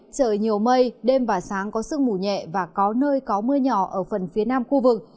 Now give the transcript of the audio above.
trời nhiều mây đêm và sáng có sương mù nhẹ và có nơi có mưa nhỏ ở phần phía nam khu vực